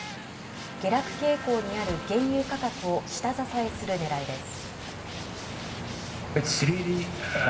下落傾向にある原油価格を下支えするねらいです。